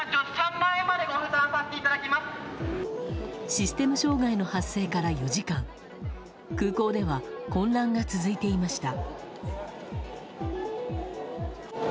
システム障害の発生から４時間空港では混乱が続いていました。